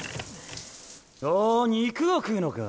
ほぉ肉を食うのか。